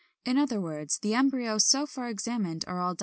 In other words, the embryos so far examined are all 37.